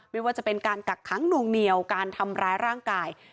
ไม่ว่าจะเป็นการกักขังนวงเหนียวการทำร้ายร่างกาย